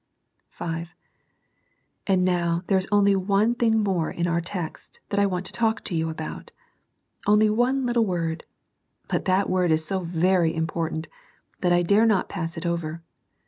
V. And now there is only one thing more in our text that I want to talk to you about. Only one little word. But that little word is so very important, that I dare not pass it over.